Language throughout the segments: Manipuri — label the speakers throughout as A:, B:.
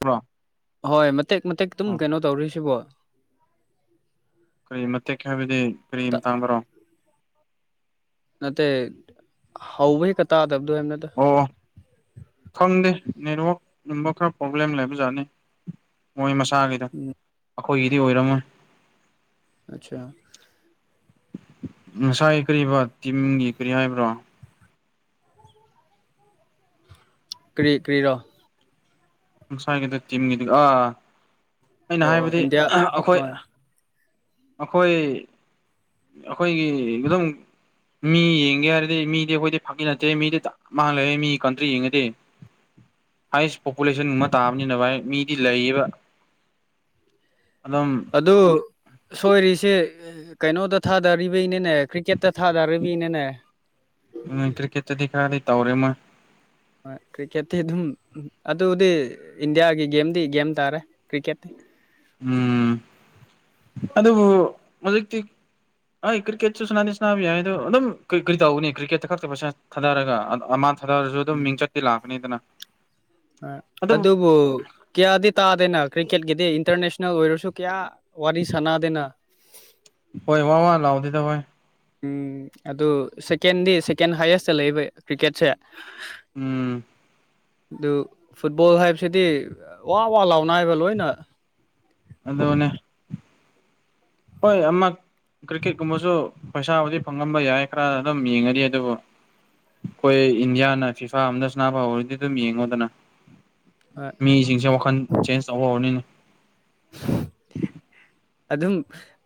A: ꯕ꯭ꯔꯣ
B: ꯍꯣꯏ ꯃꯇꯦꯛ ꯃꯇꯦꯛ ꯑꯗꯨꯝ ꯀꯩꯅꯣ ꯇꯧꯔꯤꯁꯤꯕꯣ
A: ꯀꯔꯤ ꯃꯇꯦꯛ ꯍꯥꯏꯕꯗꯤ ꯀꯔꯤ ꯃꯇꯥꯡꯗꯔꯣ
B: ꯅꯠꯇꯦ ꯍꯧꯕ ꯍꯦꯛꯀ ꯇꯥꯗꯕꯗꯣ ꯍꯥꯏꯕꯅꯦꯗ
A: ꯑꯣ ꯈꯪꯗꯦ ꯅꯦꯠꯋꯥꯛꯀꯨꯝꯕ ꯈꯔ ꯄ꯭ꯔꯣꯕ꯭ꯂꯦꯝ ꯂꯩꯕꯖꯥꯠꯅꯤ ꯃꯣꯏ ꯃꯁꯥꯒꯤ
B: ꯎꯝ
A: ꯑꯈꯣꯏꯒꯤꯗꯤ ꯑꯣꯏꯔꯝꯃꯣꯏ
B: ꯑꯠꯁꯥ
A: ꯉꯁꯥꯏ ꯀꯔꯤꯕ ꯇꯤꯝꯒꯤ ꯀꯔꯤ ꯍꯥꯏꯕ꯭ꯔꯣ
B: ꯀ꯭ꯔꯤ ꯀ꯭ꯔꯤꯔꯣ
A: ꯉꯁꯥꯏꯒꯤꯗ ꯇꯤꯝꯒꯤꯗꯤ ꯑꯥ ꯑꯩꯅ
B: ꯑꯣ ꯑꯣ
A: ꯍꯥꯏꯕꯗꯤ
B: ꯏꯟꯗꯤꯌꯥ
A: ꯑꯥ ꯑꯈꯣꯏ
B: ꯍꯣꯏ
A: ꯑꯈꯣꯏ ꯑꯈꯣꯏꯒꯤ ꯒꯤꯗꯪ ꯃꯤ ꯌꯦꯡꯒꯦ ꯍꯥꯏꯔꯗꯤ ꯃꯤꯗꯤ ꯑꯈꯣꯏꯗꯤ ꯐꯥꯒꯤ ꯅꯠꯇꯦ ꯃꯤꯗꯤ ꯆꯞ ꯃꯥꯟ ꯂꯩꯌꯦ ꯃꯤ ꯀꯟꯇ꯭ꯔꯤ ꯌꯦꯡꯉꯗꯤ
B: [inaudible]
A: ꯍꯥꯏꯌꯦꯁ ꯄꯣꯄꯨꯂꯦꯁꯟꯒꯨꯝꯕ ꯇꯥꯕꯅꯤꯅ ꯚꯥꯏ ꯃꯤꯗꯤ ꯂꯩꯌꯦꯕ ꯑꯗꯨꯝ
B: ꯑꯗꯣ ꯁꯣꯏꯔꯤꯁꯦ ꯀꯩꯅꯣꯗ ꯊꯥꯗꯔꯤꯕꯩꯅꯦꯅꯦ ꯀ꯭ꯔꯤꯛꯀꯦꯠꯇ ꯊꯥꯗꯔꯤꯕꯒꯤꯅꯦꯅꯦ
A: ꯎꯝ ꯀ꯭ꯔꯤꯀꯦꯠꯇꯗꯤ ꯈꯔꯗꯤ ꯇꯧꯔꯦ ꯃꯣꯏ
B: ꯍꯣꯏ ꯀ꯭ꯔꯤꯛꯀꯦꯠꯇꯤ ꯑꯗꯨꯝ ꯑꯗꯨꯗꯤ ꯏꯟꯗꯤꯌꯥꯒꯤ ꯒꯦꯝꯗꯤ ꯒꯦꯝ ꯇꯥꯔꯦ ꯀ꯭ꯔꯤꯛꯀꯦꯠꯇꯤ
A: ꯎꯝ ꯑꯗꯨꯕꯨ ꯍꯧꯖꯤꯛꯇꯤ ꯑꯩ ꯀ꯭ꯔꯤꯀꯦꯠꯁꯨ ꯁꯟꯅꯗꯤ ꯁꯟꯅꯥꯕ ꯌꯥꯏ ꯑꯗꯣ ꯑꯗꯨꯝ ꯀꯩ ꯀꯔꯤ ꯇꯧꯒꯅꯤ ꯀ꯭ꯔꯤꯀꯦꯠꯇ ꯈꯛꯇ ꯄꯩꯁꯥ ꯊꯥꯗꯔꯒ ꯑꯥ ꯑꯃꯥꯟ ꯊꯥꯗꯔꯁꯨ ꯑꯗꯨꯝ ꯃꯤꯡꯆꯠꯇꯤ ꯂꯥꯛꯀꯅꯤꯗꯅ
B: ꯑ ꯑꯗꯨꯕꯨ ꯀꯌꯥꯗꯤ ꯇꯥꯗꯦꯅ ꯀ꯭ꯔꯤꯛꯀꯦꯠꯀꯤꯗꯤ ꯏꯟꯇꯔꯅꯦꯁꯅꯦꯜ ꯑꯣꯏꯔꯁꯨ ꯀꯌꯥ ꯋꯥꯔꯤ ꯁꯥꯟꯅꯗꯦꯅ
A: ꯍꯣꯏ ꯋꯥ ꯋꯥ ꯂꯥꯎꯗꯦꯗ ꯚꯥꯏ
B: ꯎꯝ ꯑꯗꯨ ꯁꯦꯀꯦꯟꯗꯤ ꯁꯦꯀꯦꯟ ꯍꯥꯏꯌꯦꯁꯇ ꯂꯩꯕ ꯀ꯭ꯔꯤꯛꯀꯦꯠꯁꯦ
A: ꯎꯝ
B: ꯑꯗꯨ ꯐꯨꯠꯕꯣꯜ ꯍꯥꯏꯕꯁꯤꯗꯤ ꯋꯥ ꯋꯥ ꯂꯥꯎꯅꯥꯏꯕ ꯂꯣꯏꯅ
A: ꯑꯗꯨꯅꯦ ꯍꯣꯏ ꯑꯃꯛ ꯀ꯭ꯔꯤꯛꯀꯦꯠ ꯀꯨꯝꯕꯁꯨ ꯄꯩꯁꯥꯕꯨꯗꯤ ꯐꯪꯉꯝꯕ ꯌꯥꯏ ꯈꯔ ꯑꯗꯨꯝ ꯌꯦꯡꯉꯗꯤ ꯑꯗꯨꯕꯨ ꯑꯩꯈꯣꯏ ꯏꯟꯗꯤꯌꯥꯅ ꯐꯤꯐꯥ ꯑꯝꯗ ꯁꯟꯅꯥꯕ ꯍꯧꯔꯗꯤ ꯑꯗꯨꯝ ꯌꯦꯡꯉꯣꯗꯅ
B: ꯍꯣꯏ
A: ꯃꯤꯁꯤꯡꯁꯦ ꯋꯥꯈꯟ ꯆꯦꯟꯖ ꯇꯧꯕ ꯍꯧꯔꯅꯤꯅꯦ
B: ꯑꯗꯨꯝ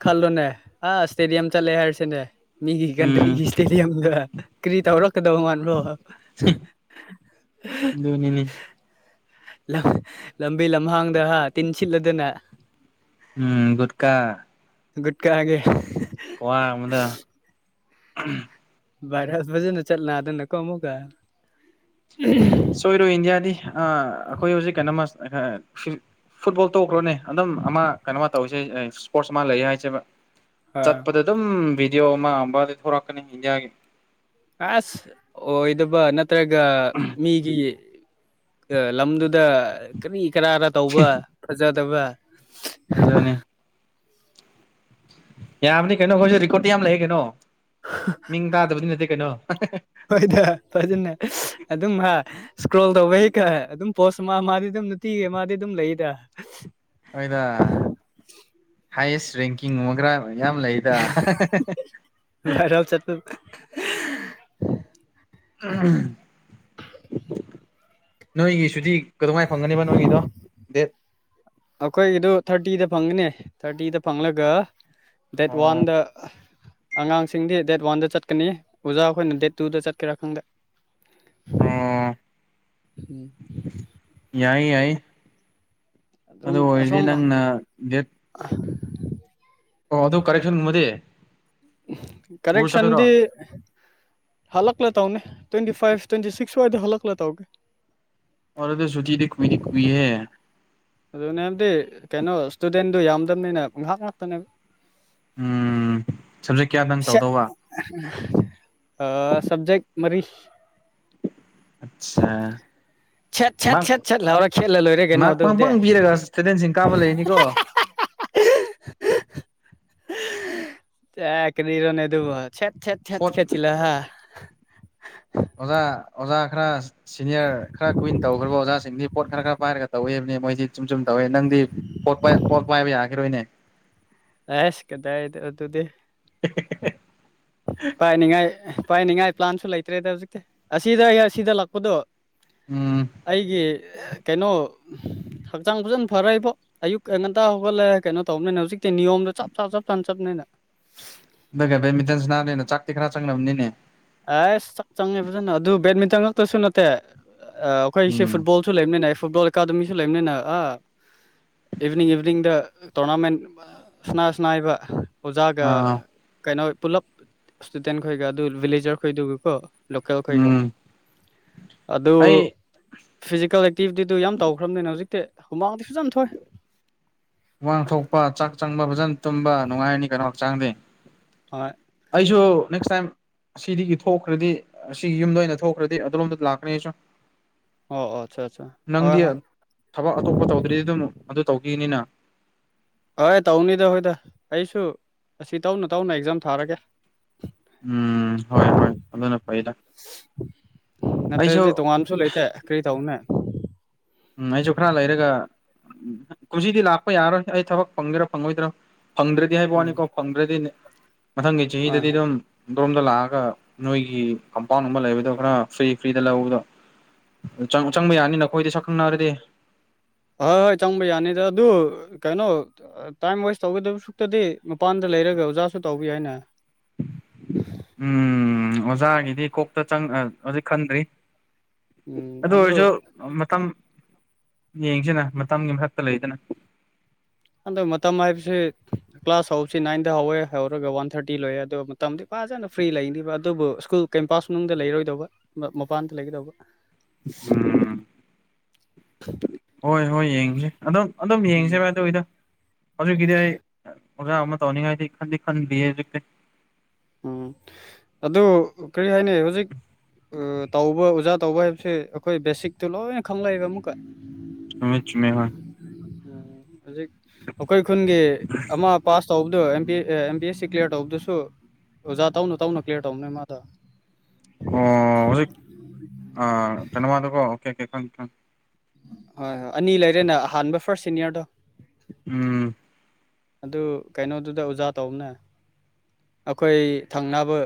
B: ꯈꯜꯂꯣꯅꯦ ꯑꯥ ꯏꯁꯇꯦꯗꯤꯌꯝ ꯆꯠꯂꯦ ꯍꯥꯏꯔꯁꯤꯅꯦ ꯃꯤꯒꯤ
A: ꯎꯝ
B: ꯀꯟꯇ꯭ꯔꯤꯒꯤ ꯏꯁꯇꯦꯗꯤꯌꯝꯒ ꯀꯔꯤ ꯇꯧꯔꯛꯀꯗꯧꯕ ꯃꯥꯟꯕ꯭ꯔꯣ
A: ꯑꯗꯨꯅꯤꯅꯦ
B: ꯂꯝ ꯍ ꯂꯝꯕꯤ ꯂꯝꯍꯥꯡꯗ ꯍꯥ ꯇꯤꯟ ꯁꯤꯠꯂꯗꯅ
A: ꯎꯝ ꯒꯨꯠꯀꯥ
B: ꯒꯨꯨꯠꯀꯥꯒꯦ
A: ꯀ꯭ꯋꯥ ꯑꯃꯗ
B: ꯚꯥꯏꯔꯦꯜ ꯐꯖꯅ ꯆꯠꯅꯗꯅꯀꯣ ꯑꯃꯨꯛꯀ ꯎꯝꯍꯨꯝ
A: ꯁꯣꯏꯔꯣꯏ ꯏꯟꯗꯤꯌꯥꯗꯤ ꯑꯥ ꯑꯈꯣꯏ ꯍꯧꯖꯤꯛ ꯀꯩꯅꯣꯝꯃ ꯑꯥ ꯐꯨꯠꯕꯣꯜ ꯇꯣꯛꯈ꯭ꯔꯣꯅꯦ ꯑꯗꯨꯝ ꯑꯃ ꯀꯩꯅꯣꯃ ꯇꯧꯔꯤꯁꯦ ꯏꯁꯄꯣꯔꯠꯁ ꯑꯃ ꯂꯩ ꯍꯥꯏꯁꯦꯕ
B: ꯑꯥ
A: ꯆꯠꯄꯗ ꯑꯗꯨꯝ ꯚꯤꯗꯤꯑꯣ ꯑꯃ ꯑꯝꯕꯗꯤ ꯊꯣꯔꯛꯀꯅꯤ ꯏꯟꯗꯤꯌꯥꯒꯤ
B: ꯑꯁ ꯑꯣꯏꯗꯕ ꯅꯠꯇ꯭ꯔꯒ ꯃꯤꯒꯤ ꯂꯝꯗꯨꯗ ꯀꯔꯤ ꯀꯔꯥꯔ ꯇꯧꯕ ꯐꯖꯗꯕ
A: ꯑꯗꯨꯅꯤ ꯌꯥꯕꯅꯤ ꯀꯩꯅꯣ ꯑꯩꯈꯣꯏꯁꯨ ꯔꯦꯀꯣꯔꯠꯇꯤ ꯌꯥꯝ ꯂꯩꯌꯦ ꯀꯩꯅꯣ ꯃꯤꯡ ꯇꯥꯗꯕꯗꯤ ꯅꯠꯇꯦ ꯀꯩꯅꯣ ꯍꯥ ꯍꯥꯥ ꯍꯥ
B: ꯍꯣꯏꯗ ꯐꯖꯅ ꯑꯗꯨꯝ ꯍꯥ ꯏꯁꯀ꯭ꯔꯣꯜ ꯇꯧꯕꯩ ꯍꯩꯀ ꯑꯗꯨꯝ ꯄꯣꯁ ꯑꯃ ꯑꯃꯗꯤ ꯑꯗꯨꯝ ꯅꯨꯡꯇꯤꯒꯤ ꯑꯃꯗꯤ ꯑꯗꯨꯝ ꯂꯩꯗ
A: ꯑꯩꯈꯣꯏꯗ ꯍꯥꯏꯌꯦꯁ ꯔꯦꯡꯀꯤꯡꯝꯕ ꯈꯔ ꯃꯌꯥꯝ ꯂꯩꯗ
B: ꯚꯥꯏꯔꯝ ꯆꯠꯇꯄꯨꯔ
A: ꯎꯝ ꯅꯣꯏꯒꯤꯁꯨꯗꯤ ꯀꯗꯧꯉꯥꯏꯅ ꯐꯪꯒꯅꯦꯕ ꯅꯣꯏꯒꯤꯗꯣ ꯗꯦꯠ
B: ꯑꯩꯈꯣꯏꯒꯤꯗꯨ ꯊꯥꯔꯇꯤꯗ ꯐꯪꯒꯅꯦ ꯊꯥꯔꯇꯤꯗ ꯐꯪꯂꯒ ꯗꯦꯠ
A: ꯑꯣ
B: ꯋꯥꯟ ꯗ ꯑꯉꯥꯡꯁꯤꯡꯗꯤ ꯗꯦꯠ ꯋꯥꯟꯗ ꯆꯠꯀꯅꯤ ꯑꯣꯖꯥ ꯑꯩꯈꯣꯏꯅ ꯗꯦꯠ ꯇꯨꯗ ꯆꯠꯀꯦꯔꯥ ꯈꯪꯗꯦ
A: ꯑꯣ
B: ꯎꯝ
A: ꯌꯥꯏ ꯌꯥꯏ ꯑꯗꯨ ꯑꯣꯏꯔꯗꯤ ꯅꯪꯅ ꯗꯦꯠ
B: [unintelligible]
A: ꯑꯣ ꯑꯗꯨ ꯀꯔꯦꯛꯁꯟꯒꯨꯝꯕꯗꯤ ꯄꯨꯔ ꯆꯠꯀꯗ꯭ꯔꯣ
B: ꯀꯔꯦꯛꯁꯟꯗꯤ ꯍꯜꯂ ꯇꯧꯅꯦ ꯇ꯭ꯋꯦꯟꯇꯤ ꯐꯥꯏꯚ ꯇ꯭ꯋꯦꯟꯇꯤ ꯁꯤꯛꯁꯋꯥꯏꯗ ꯍꯂ ꯇꯧꯅꯤ
A: ꯑꯣꯗꯤ ꯁꯨꯆꯤꯗꯤ ꯀꯨꯏ ꯀꯨꯏꯍ
B: ꯑꯗꯨꯅꯦ ꯍꯥꯏꯕꯗꯤ ꯀꯩꯅꯣ ꯏꯁꯇꯨꯗꯦꯟꯗꯨ ꯌꯥꯝꯗꯕꯅꯤꯅꯦ ꯉꯥꯏꯍꯥꯛ ꯉꯥꯛꯇꯅꯦꯕ
A: ꯎꯝ ꯁꯞꯖꯦꯛ ꯀꯌꯥꯗꯪ ꯇꯧꯗꯧꯕ
B: ꯑ ꯁꯕꯖꯦꯛ ꯃꯔꯤ
A: ꯑꯆꯥ
B: ꯁꯠ ꯁꯠ ꯁꯦꯠ ꯁꯠ ꯂꯥꯎꯔ ꯈꯦꯠꯂ ꯂꯣꯏꯔꯦ ꯀꯩꯅꯣ
A: ꯃꯥꯔꯛ
B: ꯑꯗꯨꯕꯨꯗꯤ
A: ꯄꯪꯄꯪ ꯄꯤꯔꯒ ꯏꯁꯇꯨꯗꯦꯟꯁꯤꯡ ꯀꯥꯕ ꯂꯩꯅꯤꯀꯣ
B: [unintelligible] ꯆꯅꯤꯔꯣꯅꯦꯗꯨꯕꯦꯠ ꯈꯦꯠ
A: ꯄꯣꯠ
B: ꯈꯦꯠꯆ ꯂꯍ
A: ꯑꯣꯖꯥ ꯑꯣꯖꯥ ꯑꯈ꯭ꯔꯥꯁ ꯁꯤꯅꯤꯌꯔ ꯈꯔ ꯀꯨꯏꯟ ꯇꯧꯈ꯭ꯔꯕ ꯑꯣꯖꯥꯁꯤꯡꯗꯤ ꯄꯣꯠ ꯈꯔ ꯈꯔ ꯄꯥꯏꯔꯒ ꯇꯧꯋꯦꯕꯅꯤ ꯃꯣꯏꯗꯤ ꯆꯨꯝ ꯆꯨꯝ ꯇꯧꯏꯦ ꯅꯪꯗꯤ ꯄꯣꯠ ꯄꯣꯠ ꯄꯥꯏꯕ ꯌꯥꯈꯤꯔꯣꯏꯅꯦ
B: ꯑꯦꯁ ꯀꯗꯥꯏꯗ ꯑꯗꯨꯗꯤ
A: [unintelligible]
B: ꯄꯥꯏꯅꯤꯡꯉꯥꯏ ꯄꯥꯏꯅꯤꯡꯉꯥꯏ ꯄ꯭ꯂꯥꯟꯁꯨ ꯂꯩꯇ꯭ꯔꯦꯗ ꯍꯧꯖꯤꯛꯇꯤ ꯑꯁꯤꯗ ꯑꯩ ꯑꯁꯤꯗ ꯂꯥꯛꯄꯗꯣ
A: ꯎꯝ
B: ꯑꯩꯒꯤ ꯀꯩꯅꯣ ꯍꯛꯆꯥꯡ ꯐꯖꯅ ꯐꯔꯏꯕꯣ ꯑꯌꯨꯛ ꯑꯩ ꯉꯟꯇꯥ ꯍꯧꯒꯠꯂꯦ ꯀꯩꯅꯣ ꯇꯧꯕꯅꯤꯅ ꯍꯧꯖꯤꯛꯇꯤ ꯅꯤꯌꯣꯝꯗ ꯆꯞ ꯆꯞ ꯆꯞ ꯆꯥꯅ ꯆꯞꯅꯤꯅ
A: ꯑꯗꯨꯒ ꯕꯦꯃꯤꯇꯟꯁꯤ ꯅꯥꯕꯅ ꯆꯥꯛꯇꯤ ꯈꯔ ꯆꯪꯅꯕꯅꯤꯅꯦ
B: ꯑꯁ ꯆꯪꯉꯦ ꯐꯖꯅ ꯑꯗꯨ ꯕꯦꯠꯃꯤꯟꯇꯟ ꯉꯛꯇꯁꯨ ꯅꯠꯇꯦ ꯑꯩꯈꯣꯏꯁꯦ
A: ꯎꯝ
B: ꯐꯨꯠꯕꯣꯜ ꯁꯨ ꯂꯩꯃꯤꯅꯤꯅꯦꯏ ꯐꯨꯠꯕꯣꯜ ꯑꯦꯀꯥꯗꯃꯤꯁꯨ ꯂꯩꯕꯅꯤꯅ ꯏꯚꯤꯅꯤꯡ ꯏꯚꯤꯅꯤꯡꯗ ꯇꯣꯔꯅꯥꯃꯦꯟ ꯁꯅꯥꯁꯅꯥꯏꯕ ꯑꯣꯖꯥꯒ
A: ꯑꯥ
B: ꯀꯩꯅꯣ ꯄꯨꯂꯞ ꯏꯁꯇꯨꯗꯦꯟ ꯈꯣꯏꯒ ꯑꯗꯨ ꯚꯤꯂꯦꯖꯔ ꯈꯣꯏꯗꯨꯒꯀꯣ ꯂꯀꯦꯜꯈꯣꯏꯒ
A: ꯎꯝ
B: ꯑꯗꯨ
A: ꯑꯩ
B: ꯐꯤꯖꯤꯀꯦꯜ ꯑꯦꯛꯇꯤꯚꯤꯇꯤꯗꯨ ꯌꯥꯝ ꯇꯧꯈ꯭ꯔꯕꯅꯤꯅ ꯍꯧꯖꯤꯛꯇꯤ ꯍꯨꯃꯥꯡꯇꯤ ꯐꯖ ꯌꯥꯝ ꯊꯣꯛꯏ
A: ꯋꯥꯡ ꯊꯣꯛꯄ ꯆꯥꯛ ꯆꯪꯕ ꯐꯖꯅ ꯇꯨꯝꯕ ꯅꯨꯡꯉꯥꯏꯔꯅꯤ ꯀꯩꯅꯣ ꯍꯛꯆꯥꯡꯗꯤ
B: ꯍꯣꯏ
A: ꯑꯩꯁꯨ ꯅꯦꯛꯁ ꯇꯥꯏꯝ ꯑꯁꯤꯗꯒꯤ ꯊꯣꯛꯈ꯭ꯔꯗꯤ ꯑꯁꯤꯒꯤ ꯌꯨꯝꯗ ꯑꯣꯏꯅ ꯊꯣꯛꯈ꯭ꯔꯗꯤ ꯑꯗꯣꯝꯗ ꯂꯥꯛꯀꯅꯤꯁꯨ
B: ꯑꯣ ꯑꯠꯆꯥ ꯑꯆꯥ ꯍꯣꯏ ꯍꯣꯏ
A: ꯊꯕꯛ ꯑꯇꯣꯞꯄ ꯇꯧꯗ꯭ꯔꯤꯗꯤ ꯑꯗꯨꯝ ꯑꯗꯨ ꯇꯧꯈꯤꯅꯤꯅ
B: ꯍ ꯇꯧꯅꯤꯗ ꯍꯈꯣꯏꯗ ꯑꯩꯁꯨ ꯑꯁꯤ ꯇꯧꯅ ꯇꯧꯅ ꯑꯦꯛꯖꯥꯝ ꯊꯥꯔꯒꯦ
A: ꯎꯝ ꯍꯣꯏ ꯍꯣꯏ ꯑꯗꯨꯅ ꯐꯩꯗ ꯑꯩꯁꯨ
B: ꯀꯩ ꯇꯧꯅꯦ
A: ꯎꯝ ꯑꯩꯁꯨ ꯈꯔ ꯂꯩꯔꯒ ꯎꯝ ꯀꯁꯤꯗꯤ ꯂꯥꯛꯄ ꯌꯥꯔꯣꯏ ꯑꯩ ꯊꯕꯛ ꯐꯪꯗꯦꯔꯥ ꯐꯪꯉꯣꯏꯗ꯭ꯔꯥ ꯐꯪꯗ꯭ꯔꯦ ꯗꯤ ꯍꯥꯏꯕ
B: ꯎꯝ
A: ꯋꯥꯅꯤꯀꯣ ꯐꯪꯗ꯭ꯔꯗꯤꯅꯦ ꯃꯊꯪꯒꯤ
B: ꯍꯣꯏ
A: ꯆꯍꯤꯗꯗꯤ
B: ꯍꯣꯏ
A: ꯑꯗꯨꯝ ꯗꯣꯝꯗ ꯂꯥꯛꯑꯒ ꯅꯣꯏꯒꯤ ꯀꯝꯄꯥꯎꯟꯒꯨꯝꯕ ꯂꯩꯕꯗꯣ ꯈꯔ ꯐ꯭ꯔꯤ ꯐ꯭ꯔꯤꯗ ꯂꯧꯕꯗꯣ ꯆꯪꯕ ꯌꯥꯅꯤꯅ ꯑꯩꯈꯣꯏꯗꯤ ꯁꯛꯈꯪꯅꯔꯗꯤ
B: ꯍꯣꯏ ꯍꯣꯏ ꯆꯪꯕ ꯌꯥꯅꯤꯗ ꯑꯗꯨ ꯀꯩꯅꯣ ꯇꯥꯏꯝ ꯋꯦꯁ ꯇꯧꯒꯗꯕ ꯁꯨꯛꯇꯗꯤ ꯃꯄꯥꯟꯗ ꯂꯩꯔꯒ ꯑꯣꯖꯥꯁꯨ ꯇꯧꯕꯤ ꯍꯥꯏꯏꯅ
A: ꯎꯝ ꯑꯣꯖꯥꯒꯤꯗꯤ ꯀꯣꯛꯇ ꯆ ꯍꯧꯖꯤꯛ ꯈꯟꯗ꯭ꯔꯤ ꯑꯗꯨ ꯑꯣꯏꯔꯁꯨ ꯃꯇꯝ ꯌꯦꯡꯁꯤꯅ ꯃꯇꯝꯒꯤ ꯃꯊꯛꯇ ꯂꯩꯗꯅ
B: ꯑꯗꯣ ꯃꯇꯝ ꯍꯥꯏꯕꯁꯤ ꯀ꯭ꯂꯥꯁ ꯍꯧꯁꯤ ꯅꯥꯏꯟꯗ ꯍꯧꯋꯦ ꯍꯧꯔꯒ ꯋꯥꯟ ꯊꯥꯔꯇꯤ ꯂꯣꯏꯑꯦ ꯑꯗꯨ ꯃꯇꯝꯗꯤ ꯐꯖꯅ ꯐ꯭ꯔꯤ ꯂꯩꯅꯤꯕ ꯑꯗꯨꯕꯨ ꯁ꯭ꯀꯨꯜ ꯀꯦꯝꯄꯥꯁ ꯃꯅꯨꯡꯗ ꯂꯩꯔꯣꯏꯗꯧꯕ ꯃꯄꯥꯟꯗ ꯂꯩꯒꯗꯧꯕ
A: ꯎꯝ ꯍꯣꯏ ꯍꯣꯏ ꯌꯦꯡꯁꯦ ꯑꯗꯨꯝ ꯑꯗꯨꯝ ꯌꯦꯡꯁꯦ ꯃ ꯇꯏꯗ ꯍꯧꯖꯤꯛꯀꯤꯗꯤ ꯑꯩ ꯑꯣꯖꯥ ꯑꯃ ꯇꯧꯅꯤꯡꯉꯥꯏꯗꯤ ꯈꯟꯗꯤ ꯈꯟꯗꯤꯛꯇ
B: ꯎꯝ ꯑꯗꯨ ꯀꯔꯤ ꯍꯥꯏꯅꯤꯩ ꯍꯧꯖꯤꯛ ꯇꯧꯕ ꯑꯣꯖꯥ ꯇꯧꯕ ꯍꯥꯏꯕꯁꯦ ꯑꯩꯈꯣꯏ ꯕꯦꯁꯤꯛꯇꯨ ꯂꯣꯏꯅ ꯈꯪꯂꯛꯑꯦꯕ ꯑꯃꯨꯛꯀ
A: ꯆꯨꯃꯦ ꯆꯨꯃꯦ ꯍꯣꯏ
B: ꯎꯝ ꯍꯧꯖꯤꯛ ꯑꯩꯈꯣꯏ ꯈꯨꯟꯒꯤ ꯑꯃ ꯄꯥꯁ ꯇꯧꯕꯗꯨꯣ ꯑ ꯑꯦꯝ ꯕꯤ ꯑꯦꯁ ꯁꯤ ꯀ꯭ꯂꯤꯌꯥꯔ ꯇꯧꯕꯗꯨꯁꯨ ꯑꯣꯖ ꯇꯧꯅ ꯇꯧꯅ ꯀꯦꯔ ꯇꯧꯅꯦ ꯃꯥꯗ
A: ꯑꯣ ꯍꯧꯖꯤꯛ ꯀꯩꯅꯣꯃꯗꯨꯀꯣ ꯑꯣꯀꯦ ꯑꯣꯀꯦ ꯈꯪ
B: ꯍꯣꯏ ꯍꯣꯏ ꯑꯅꯤ ꯂꯩꯔꯦꯅ ꯑꯍꯥꯟꯕ ꯐꯥꯔꯁ ꯁꯤꯅꯤꯌꯔꯗꯣ
A: ꯎꯝ
B: ꯑꯗꯨ ꯀꯩꯅꯣꯗꯨꯗ ꯑꯣꯖꯥ ꯇꯧꯕꯅꯦ ꯑꯩꯈꯣꯏ ꯊꯪꯅꯕ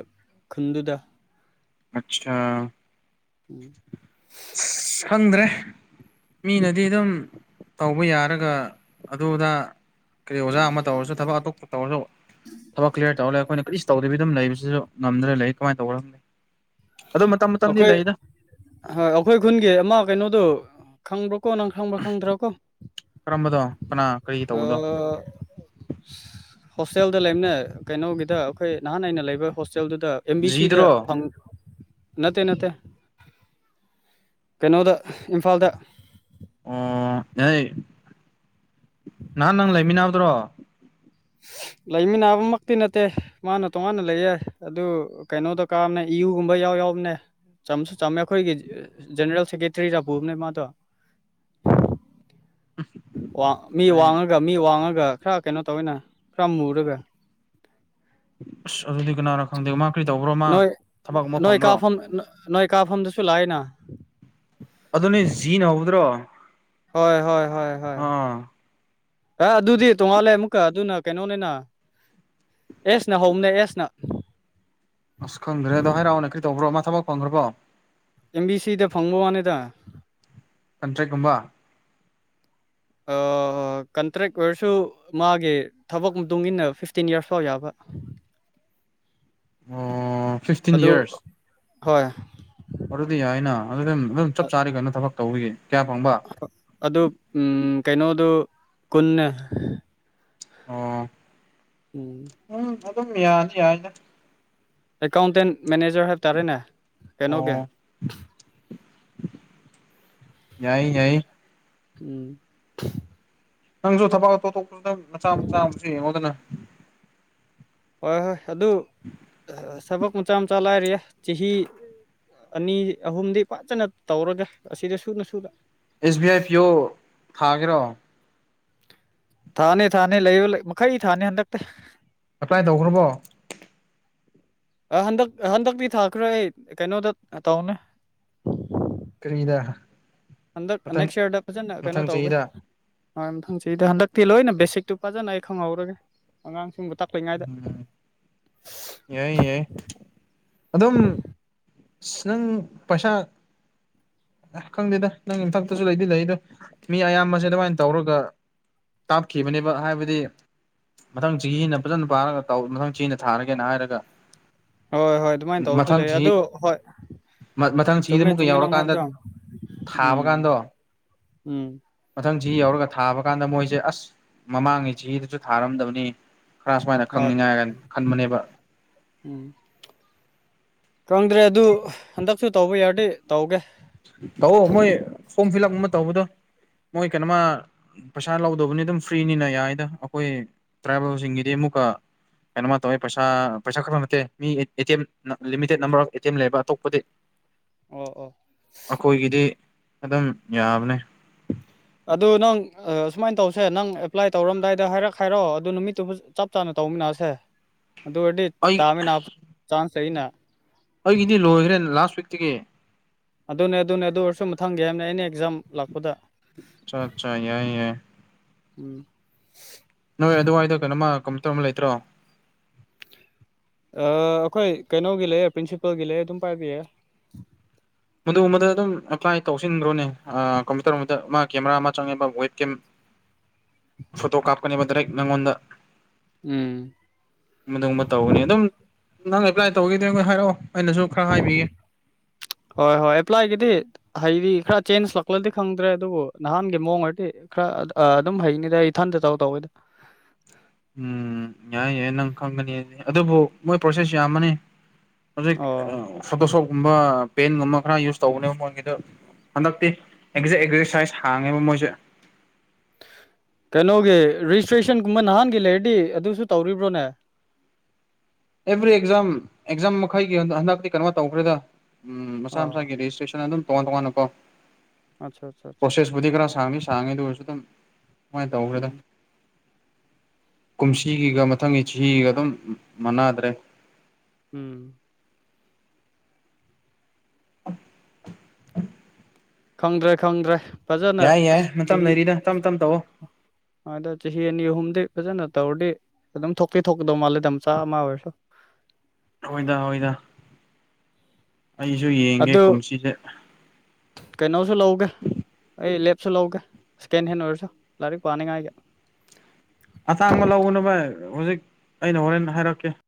B: ꯈꯨꯟꯗꯨꯗ
A: ꯑꯆꯥꯥ
B: ꯎꯝ
A: ꯈꯪꯗ꯭ꯔꯦ ꯃꯤꯅꯗꯤ ꯑꯗꯨꯝ ꯇꯧꯕ ꯌꯥꯔꯒ ꯑꯗꯨꯗ ꯀꯔꯤ ꯑꯣꯖꯥ ꯑꯃ ꯇꯧꯔꯁꯨ ꯊꯕꯛ ꯑꯇꯣꯞꯄ ꯇꯧꯔꯁꯨ ꯊꯕꯛ ꯀ꯭ꯂꯤꯌꯥꯔ ꯇꯧꯔꯒ ꯑꯩꯈꯣꯏꯅ ꯀꯔꯤ ꯇꯧꯗꯕꯤ ꯑꯗꯨꯝ ꯂꯩꯕꯁꯤꯁꯨ ꯉꯝꯗꯅ ꯂꯩ ꯀꯃꯥꯏꯅ ꯇꯧꯒ ꯑꯗꯣ ꯃꯇꯝ ꯃꯇꯝꯗꯤ
B: ꯑꯩꯈꯣꯏ
A: ꯂꯩꯗ
B: ꯍꯣꯏ ꯑꯩꯈꯣꯏ ꯈꯨꯟꯒꯤ ꯑꯃ ꯀꯩꯅꯣꯗꯨꯣ ꯈꯪꯕ꯭ꯔꯥꯀꯣ ꯅꯪ ꯈꯪꯕ꯭ꯔꯥ ꯈꯪꯗ꯭ꯔꯥ ꯀꯣ
A: ꯀꯔꯝꯕꯗꯣ ꯀꯅꯥ ꯀꯔꯤ
B: ꯑ
A: ꯇꯧꯕꯗꯣ
B: ꯍꯣꯁꯇꯦꯜꯗ ꯂꯩꯕꯅ ꯀꯩꯅꯣꯒꯤꯗ ꯑꯩꯈꯣꯏ ꯅꯍꯥꯟ ꯑꯏꯩꯅ ꯂꯩꯕ ꯍꯣꯁꯇꯦꯜꯗꯨꯗ ꯑꯦꯝ ꯕꯤ ꯁꯤꯗ
A: ꯖꯤꯗꯨꯔꯣ
B: ꯐꯪ ꯅꯠꯇꯦ ꯅꯠꯇꯦ ꯀꯩꯅꯣꯗ ꯏꯝꯐꯥꯜꯗ
A: ꯑꯣ ꯌꯥ ꯅꯍꯥꯟ ꯅꯪ ꯂꯩꯃꯤꯟꯅꯕꯗ꯭ꯔꯣ
B: ꯂꯩꯃꯤꯟꯅꯕꯃꯛꯇꯤ ꯅꯠꯇꯦ ꯃꯥꯅ ꯇꯣꯉꯥꯟꯅ ꯂꯩ ꯌꯥꯏ ꯑꯗꯨ ꯀꯩꯅꯣꯗ ꯀꯥꯝꯅꯩ ꯏꯨꯒꯨꯝꯕ ꯌꯥꯎ ꯌꯥꯎꯕꯅꯦ ꯆꯝꯁꯨ ꯆꯝꯃꯦ ꯑꯩꯈꯣꯏꯒꯤ ꯖꯦꯅꯔꯦꯜ ꯁꯦꯀꯦꯇꯔꯤꯗ ꯄꯨꯕꯅꯦ ꯃꯥꯗꯣ ꯃꯤ
A: ꯑꯩ
B: ꯋꯥꯡꯉꯒ ꯃꯤ ꯋꯥꯡꯉꯒ ꯈꯔ ꯀꯩꯅꯣ ꯇꯧꯋꯤꯅ ꯈꯔ ꯃꯨꯔꯒ
A: ꯑꯁ ꯑꯗꯨꯗꯤ ꯀꯅꯥꯅꯣ ꯈꯪꯗꯦ ꯃꯥ ꯀꯔꯤ ꯇꯧꯕ꯭ꯔꯣ ꯃꯥ
B: ꯅꯣꯏ
A: ꯊꯕꯛ ꯑꯃ
B: ꯅꯣꯏ
A: ꯐꯪꯕ꯭ꯔꯣ
B: ꯀꯥꯐꯝ ꯅꯣꯏ ꯀꯥꯞꯐꯝꯗꯁꯨ ꯂꯥꯛꯏꯅ
A: ꯑꯗꯨ ꯅ ꯖꯤꯅ ꯍꯗ꯭ꯔꯣ
B: ꯍꯣꯏ ꯍꯣꯏ ꯍꯣꯏ ꯍꯣꯏ ꯑꯦ ꯑꯗꯨꯗꯤ ꯇꯣꯡꯉꯥꯜꯂꯦ ꯑꯃꯨꯛꯀ ꯑꯗꯨꯅ ꯀꯩꯅꯣꯅꯤꯅ ꯑꯦꯁꯅ ꯍꯧꯣꯅꯦ ꯑꯦꯁꯅ
A: ꯑꯁ ꯈꯪꯗ꯭ꯔꯦ ꯑꯗꯣ ꯍꯥꯏꯔꯥꯎꯅ ꯀꯔꯤ ꯇꯧꯕ꯭ꯔꯣ ꯃꯥ ꯊꯕꯛ ꯐꯪꯈ꯭ꯔꯕꯣ
B: ꯑꯦꯝ ꯕꯤ ꯁꯤꯗ ꯐꯪꯕ ꯋꯥꯅꯤꯗ
A: ꯀꯟꯇ꯭ꯔꯦꯛꯀꯨꯝꯕ
B: ꯑꯣ ꯑꯣ ꯀꯟꯇ꯭ꯔꯦꯛ ꯑꯣꯏꯔꯁꯨ ꯃꯥꯒꯤ ꯊꯕꯛ ꯃꯇꯨꯡ ꯏꯟꯅ ꯐꯤꯐꯇꯤꯟ ꯌꯔꯁ ꯐꯥꯎ ꯌꯥꯕ
A: ꯑꯣ ꯁꯤ
B: ꯑꯗꯨ ꯍꯣꯏ
A: ꯑꯗꯨꯗꯤ ꯌꯥꯏꯅ ꯑꯗꯨ ꯑꯗꯨꯝ ꯑꯗꯨꯝ ꯆꯞ ꯆꯥꯔꯤ ꯀꯩꯅꯣ ꯊꯕꯛ ꯇꯧꯕꯔꯤꯒ ꯀꯌꯥ ꯐꯪꯕ
B: ꯑꯗꯨ ꯎꯝ ꯀꯩꯅꯣꯗꯨ ꯀꯨꯟꯅ
A: ꯑꯣ
B: ꯎꯝ
A: ꯎꯝ ꯑꯗꯨꯝ ꯌꯥꯅꯤ ꯌꯥꯅ
B: ꯑꯦꯀꯥꯎꯟꯇꯦꯟ ꯃꯦꯅꯦꯖꯔ ꯍꯥꯏꯕ ꯇꯥꯔꯦꯅꯦ ꯀꯩꯅꯣꯒꯤ
A: ꯑꯣ ꯌꯥꯏ ꯌꯥꯏ
B: ꯎꯝ
A: ꯅꯪꯁꯨ ꯊꯕꯛ ꯑꯇꯣꯞꯇꯣꯞꯄꯁꯨ ꯅꯪ ꯃꯆꯥ ꯃꯆꯥ ꯑꯃꯁꯨ ꯌꯦꯡꯉꯣꯗꯅ
B: ꯍꯣꯏ ꯍꯣꯏ ꯑꯗꯨ ꯊꯕꯛ ꯃꯆꯥ ꯃꯆꯥ ꯂꯥꯏꯔꯤꯌꯦ ꯆꯍꯤ ꯑꯅꯤ ꯑꯍꯨꯝꯗꯤ ꯐꯖꯅ ꯇꯧꯔꯒꯦ ꯑꯁꯤꯗ ꯁꯨꯅ ꯁꯨꯅ
A: ꯑꯦꯁ ꯕꯤ ꯑꯥꯏ ꯄꯤꯌ ꯑꯣ ꯊꯥꯒꯦꯔꯣ
B: ꯊꯥꯅꯤ ꯊꯥꯅꯤ ꯂꯩꯕ ꯃꯈꯩ ꯊꯥꯅꯤ ꯍꯟꯗꯛꯇꯤ
A: ꯑꯦꯄ꯭ꯂꯥꯏ ꯇꯧꯈ꯭ꯔꯕꯣ
B: ꯑ ꯍꯟꯗꯛ ꯍꯟꯗꯛꯇꯤ ꯊꯥꯈ꯭ꯔꯦ ꯑꯩ ꯀꯩꯅꯣꯗ ꯇꯧꯅꯦ
A: ꯀ꯭ꯔꯔꯤꯗꯥ
B: ꯍꯟꯗꯛ ꯅꯦꯛꯁ ꯏꯌꯥꯔꯗ ꯐꯖꯅ ꯀꯩꯅꯣ
A: ꯃꯊꯪ
B: ꯇꯧꯒꯦ
A: ꯆꯍꯤꯗ
B: ꯑ ꯃꯊꯪ ꯆꯍꯤꯗ ꯍꯟꯗꯛꯇꯤ ꯂꯣꯏꯅ ꯕꯦꯁꯤꯛꯇꯨ ꯐꯖꯅ ꯑꯩ ꯈꯪꯍꯧꯔꯒꯦ ꯑꯉꯥꯡꯁꯤꯡꯗ ꯇꯥꯛꯂꯤꯉꯩꯗ
A: ꯎꯝ ꯌꯥꯏ ꯌꯥꯏ ꯑꯗꯨꯝ ꯁꯨꯡ ꯄꯩꯁꯥ ꯑ ꯈꯪꯗꯦꯗ ꯅꯪ ꯏꯟꯊꯛꯇꯖꯨ ꯂꯩꯗꯤ ꯂꯩ ꯑꯗꯣ ꯃꯤ ꯑꯌꯥꯝꯕꯁꯦ ꯑꯗꯨꯃꯥꯏꯅ ꯇꯧꯔꯒ ꯇꯥꯞꯈꯤꯕꯅꯦꯕ ꯍꯥꯏꯕꯗꯤ ꯃꯊꯪꯁꯤꯒꯤ ꯍꯦꯟꯅ ꯐꯖꯅ ꯄꯥꯔꯒ ꯇꯧ ꯃꯊꯪꯁꯤ ꯍꯦꯟꯅ ꯊꯥꯔꯒꯦꯅ ꯍꯥꯏꯔꯒ
B: ꯍꯣꯏ ꯍꯣꯏ ꯑꯗꯨꯃꯥꯏꯅ ꯇꯧꯕꯁꯨ
A: ꯃꯊꯪ
B: ꯂꯩ
A: ꯆꯍꯤ
B: ꯑꯗꯨ ꯍꯣꯏ
A: ꯃ ꯃꯊꯪ ꯆꯍꯤꯗ
B: ꯆꯨꯝꯃꯦ
A: ꯑꯃꯨꯛꯀ
B: ꯆꯨꯝꯃꯦ ꯅꯪꯅ
A: ꯌꯧꯔꯀꯥꯟꯗ
B: ꯍꯥꯏꯕꯗꯣ
A: ꯍꯥꯥꯕ
B: ꯎꯝ
A: ꯀꯥꯟꯗ
B: ꯎꯝ
A: ꯃꯊꯪ ꯆꯍꯤ ꯌꯧꯔꯒ ꯊꯥꯕ ꯀꯥꯟꯗ ꯃꯣꯏꯁꯦ ꯑꯁ ꯃꯃꯥꯡꯉꯩ ꯆꯍꯤꯗꯁꯨ ꯊꯥꯔꯝꯗꯕꯅꯤ ꯈꯔ ꯁꯨꯃꯥꯏꯅ
B: ꯍꯣꯏ
A: ꯈꯪꯅꯤꯡꯉꯥꯏꯒ ꯈꯟꯕꯅꯦꯕ
B: ꯎꯝ ꯈꯪꯗ꯭ꯔꯦ ꯑꯗꯨ ꯍꯟꯗꯛꯁꯨ ꯇꯧꯕ ꯌꯥꯔꯗꯤ ꯇꯧꯒꯦ
A: ꯇꯧꯑꯣ ꯃꯣꯏ ꯐꯣꯔꯝ ꯐꯤꯜ ꯑꯞ ꯑꯃ ꯇꯧꯕꯗꯣ ꯃꯣꯏ ꯀꯩꯅꯣꯃ ꯄꯩꯁꯥ ꯂꯧꯗꯕꯅꯤ ꯑꯗꯨꯝ ꯐ꯭ꯔꯤꯅꯤꯅ ꯌꯥꯏꯗ ꯑꯩꯈꯣꯏ ꯇ꯭ꯔꯥꯏꯕꯦꯜꯁꯤꯡꯒꯤꯗꯤ ꯑꯃꯨꯛꯀ ꯀꯩꯅꯣꯃ ꯇꯧꯋꯦ ꯄꯩꯁꯥ ꯄꯩꯁꯥ ꯈꯔꯕ ꯅꯠꯇꯦ ꯃꯤ ꯑꯦ ꯑꯦ ꯇꯤ ꯑꯦꯝ ꯅ limited number of A T M ꯂꯩꯕ ꯑꯇꯣꯞꯄꯗꯤ
B: ꯑꯣ ꯑꯣ
A: ꯑꯩꯈꯣꯏꯒꯤꯗꯤ ꯑꯗꯨꯝ ꯌꯥꯕꯅꯦ
B: ꯑꯗꯨ ꯅꯪ ꯁꯨꯃꯥꯏꯅ ꯇꯧꯁꯦ ꯅꯪ ꯑꯦꯄ꯭ꯂꯥꯏ ꯇꯧꯔꯝꯗꯥꯏꯗ ꯍꯥꯏꯔꯛ ꯍꯥꯏꯔꯛꯑꯣ ꯑꯗꯨ ꯅꯨꯃꯤꯠꯇꯨ ꯆꯞ ꯆꯥꯅ ꯇꯧꯃꯤꯟꯅꯁꯦ ꯑꯗꯨ ꯑꯣꯏꯔꯗꯤ
A: ꯑꯩ
B: ꯇꯥꯃꯤꯟꯅ ꯆꯥꯟꯁ ꯂꯩꯌꯦꯅ
A: ꯑꯩꯒꯤꯗꯤ ꯂꯣꯏꯈ꯭ꯔꯦ ꯂꯥꯁ ꯋꯤꯛꯇꯒꯤ
B: ꯑꯗꯨꯅꯦ ꯑꯗꯨꯅꯦ ꯑꯗꯨ ꯑꯣꯏꯔꯁꯨ ꯃꯊꯪꯒꯤ ꯍꯥꯏꯕꯅꯦ ꯑꯦꯅꯤ ꯑꯦꯛꯖꯥꯝ ꯂꯥꯛꯄꯗ
A: ꯑꯆꯥ ꯑꯆꯥ ꯌꯥꯏ
B: ꯎꯝ
A: ꯅꯣꯏ ꯑꯗꯨꯋꯥꯏꯗ ꯀꯩꯅꯣꯃ ꯀꯃ ꯇꯧꯔ ꯑꯃ ꯂꯩꯇ꯭ꯔꯣ
B: ꯑꯩꯈꯣꯏ ꯀꯩꯅꯣꯒꯤ ꯂꯩꯌꯦ ꯄ꯭ꯔꯤꯟꯁꯤꯄꯜꯒꯤ ꯂꯩꯌꯦ ꯑꯗꯨꯝ ꯄꯥꯏꯕꯤꯌꯦ
A: ꯃꯗꯨꯒꯨꯝꯕꯗꯨ ꯑꯗꯨꯝ ꯑꯦꯄ꯭ꯂꯥꯏ ꯇꯧꯁꯤꯟꯒ꯭ꯔꯣꯅꯦ ꯑ ꯀꯝꯄ꯭ꯌꯨꯇꯔ ꯅꯨꯡꯄꯤꯇ꯭ꯔ ꯃꯥ ꯀꯦꯃꯦꯔꯥ ꯑꯃ ꯆꯪꯉꯦꯕ ꯋꯦꯠ ꯀꯦꯝ
B: [unintelligible]
A: ꯐꯣꯇꯣ ꯀꯥꯞꯀꯅꯤꯕ ꯗꯦꯛ ꯅꯪꯉꯣꯟꯗ
B: ꯎꯝ
A: ꯃꯗꯨꯒꯨꯝꯕ ꯇꯧꯕꯅꯦ ꯑꯗꯨꯝ ꯅꯪ ꯑꯦꯄ꯭ꯂꯥꯏ ꯇꯧꯒꯦꯗꯤ ꯑꯩꯉꯣꯟꯗ ꯍꯥꯏꯔꯛꯑꯣ ꯑꯩꯅꯁꯨ ꯈꯔ ꯍꯥꯏꯕꯤꯒꯦ
B: ꯍ ꯍꯣꯏ ꯑꯦꯄ꯭ꯂꯥꯏ ꯀꯦꯗꯤꯠ ꯍꯥꯏꯗꯤ ꯈꯔ ꯆꯦꯟꯖ ꯂꯥꯛꯄꯗꯤ ꯈꯪꯗ꯭ꯔꯦ ꯑꯗꯨꯕꯨ ꯅꯍꯥꯟꯒꯤ ꯃꯑꯣꯡ ꯍꯥꯏꯔꯗꯤ ꯈꯔ ꯑꯗꯨꯝ ꯍꯩꯅꯤꯗ ꯑꯩ ꯏꯊꯟꯇ ꯇꯧ ꯇꯧꯋꯦꯗ
A: ꯎꯝ ꯌꯥꯏ ꯌꯥꯏ ꯅꯪ ꯈꯪꯒꯅꯤ ꯑꯗꯨꯕꯨ ꯃꯣꯏ ꯄ꯭ꯔꯣꯁꯦꯁ ꯌꯥꯝꯕꯅꯤ ꯍꯧꯖꯤꯛ
B: ꯑꯣ
A: ꯑ ꯐꯣꯇꯣꯁꯣꯞꯀꯨꯝꯕ ꯄꯦꯟꯒꯨꯝꯕ ꯈꯔ ꯌꯨꯁ ꯇꯧꯕꯅꯦꯕ ꯃꯣꯟꯒꯤꯗꯨ ꯍꯟꯗꯛꯇꯤ ꯑꯦꯛꯖꯦꯛ ꯑꯦꯛꯖꯔꯁꯥꯏꯁ ꯍꯥꯡꯉꯦꯕ ꯃꯣꯏꯁꯦ
B: ꯀꯩꯅꯣꯒꯤ ꯔꯦꯖꯤꯁꯇ꯭ꯔꯦꯁꯟꯒꯨꯝꯕ ꯅꯍꯥꯟꯒꯤ ꯂꯩꯔꯗꯤ ꯑꯗꯨꯁꯨ ꯇꯧꯔꯤꯕ꯭ꯔꯣꯅꯦ
A: ꯑꯦꯚ꯭ꯔꯤ ꯑꯦꯛꯖꯥꯝ ꯑꯦꯛꯖꯥꯝ ꯃꯈꯩꯒꯤ ꯍꯟꯗꯛꯇꯤ ꯀꯩꯅꯣ ꯇꯧꯈ꯭ꯔꯦꯗ ꯎꯝ ꯃꯁꯥ
B: ꯑꯣ
A: ꯃꯁꯥꯒꯤ ꯔꯦꯖꯤꯁꯇ꯭ꯔꯦꯁꯟ ꯑꯗꯨꯝ ꯇꯣꯉꯥꯟ ꯇꯣꯡꯉꯥꯟꯅꯀꯣ
B: ꯑꯠꯆꯥ ꯑꯆꯥꯆꯥ
A: [unintelligible] ꯈꯔ ꯁꯥꯡꯗꯤ ꯁꯥꯡꯉꯦ ꯑꯗꯨ ꯑꯣꯏꯔꯁꯨ ꯑꯗꯨꯝ ꯁꯨꯃꯥꯏꯅ ꯇꯧꯈ꯭ꯔꯦꯗ
B: ꯎꯝ
A: ꯀꯨꯝꯁꯤꯒꯤꯒ ꯃꯊꯪꯒꯤ ꯆꯍꯤꯒ ꯑꯗꯨꯝ ꯃꯅꯗ꯭ꯔꯦ
B: ꯎꯝ
A: [unintelligible]
B: ꯈꯪꯗ꯭ꯔꯦ ꯈꯪꯗ꯭ꯔꯦ ꯐꯖꯅ
A: ꯌꯥꯏ ꯌꯥꯏ ꯃꯇꯝ ꯂꯩꯔꯤꯗ ꯇꯞ ꯇꯞ ꯇꯧꯑꯣ
B: ꯑꯣꯏꯗ ꯆꯍꯤ ꯑꯅꯤ ꯑꯍꯨꯝꯗꯤ ꯐꯖꯅ ꯇꯧꯔꯗꯤ ꯑꯗꯨꯝ ꯊꯣꯛꯇꯦ ꯊꯣꯛꯀꯗꯧ ꯃꯥꯜꯂꯦꯗ ꯃꯆꯥ ꯑꯃ ꯑꯣꯏꯔꯁꯨ
A: ꯍꯣꯏꯗꯥ ꯍꯣꯏꯗ ꯑꯩꯁꯨ ꯌꯦꯡꯒꯦ
B: ꯑꯗꯨ
A: ꯀꯨꯝꯁꯤꯁꯦ
B: ꯀꯩꯅꯣꯁꯨ ꯂꯧꯒꯦ ꯑꯩ ꯂꯦꯞꯁꯨ ꯂꯧꯒꯦ ꯁꯦꯀꯦꯟ ꯍꯦꯟ ꯑꯣꯏꯔꯁꯨ ꯂꯥꯏꯔꯤꯛ ꯄꯥꯅꯤꯡꯉꯥꯏꯒꯤ
A: ꯑꯆꯥꯡꯕ ꯂꯧꯕꯅꯚ ꯍꯧꯖꯤꯛ ꯑꯩꯅ ꯍꯣꯔꯦꯟ ꯍꯥꯏꯔꯛꯀꯦ